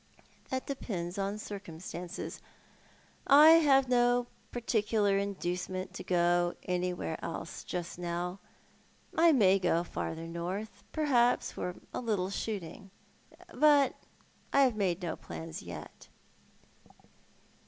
" "That depends upon circumstances. I have no particular inducement to go anywhere else just now. I may go further north, perhaps, for a little shooting — but I have made no jilans yet."